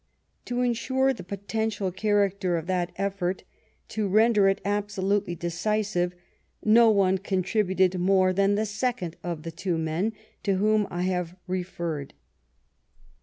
To ensure the potential character of that effort, to render it absolutely decisive, no one contributed more than the second of the two men to whom I have referred.